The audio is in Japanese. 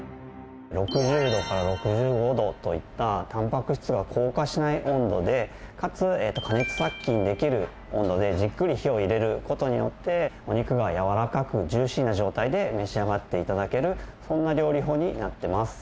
６０度から６５度といったたんぱく質が硬化しない温度でかつ加熱殺菌できる温度でじっくり火を入れる事によってお肉がやわらかくジューシーな状態で召し上がって頂けるそんな料理法になってます。